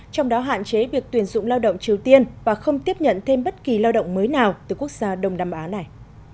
trong đó hạn chế việc tuyển dụng lao động triều tiên và không tiếp nhận thêm bất kỳ lao động mới nào từ quốc gia đông nam á này